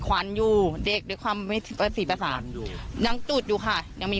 ควันอยู่เด็กด้วยความไม่สิบประสาทยังจุดอยู่ค่ะยังมี